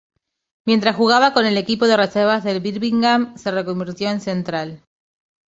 Mientras jugaba con el equipo de reservas del Birmingham, se reconvirtió en central.